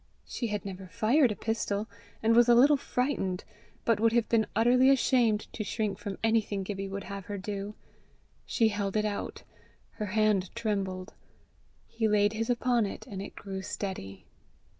She had never fired a pistol, and was a little frightened, but would have been utterly ashamed to shrink from anything Gibbie would have her do. She held it out. Her hand trembled. He laid his upon it, and it grew steady.